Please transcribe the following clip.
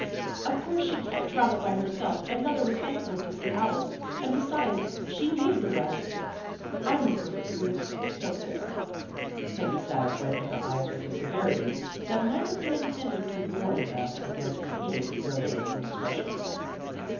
" Of course she can't travel by herself, and mother was hankering to see Alice, and, be sides, she needed a rest. I'm a perfect goose, so there! " Peggy sat up, wiping her eyes with a severity that might have been intended to warn them against repeating their late in discretion.